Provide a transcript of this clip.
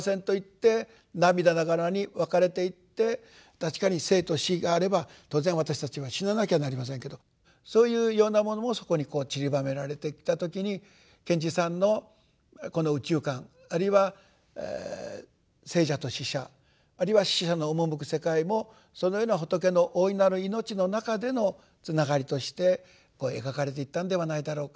確かに生と死があれば当然私たちは死ななきゃなりませんけどそういうようなものもそこにこうちりばめられてきた時に賢治さんのこの宇宙観あるいは生者と死者あるいは死者の赴く世界もそのような仏の大いなる命の中でのつながりとして描かれていったんではないだろうか。